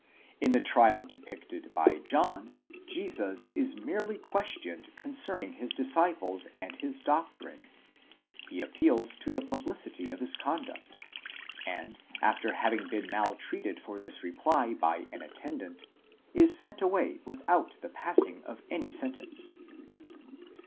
In the trial depicted by John, Jesus is merely questioned concerning his disciples and his. doctrine, he appeals to the publicity of his conduct, and after having been maltreated for this reply by an attendant (ὑπηρέτης), is sent away without the passing of any sentence.